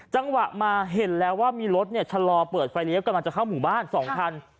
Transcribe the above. จังหวะมาเห็นแล้วว่ามีรถชะลอเปิดไฟเลี้ยวกำลังจะเข้าหมู่บ้าน๒คัน